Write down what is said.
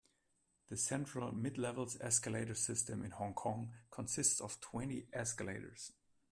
The Central-Midlevels escalator system in Hong Kong consists of twenty escalators.